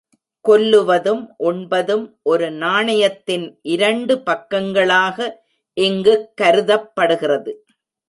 கொல்லுவதும் உண்பதும் ஒரு நாணயத்தின் இரண்டு பக்கங்களாக இங்குக் கருதப்படுகிறது.